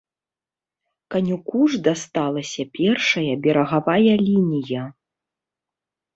Канюку ж дасталася першая берагавая лінія.